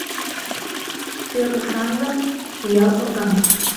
Кӧ ушан гын, пиал — оргамак